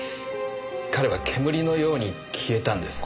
彼は煙のように消えたんです。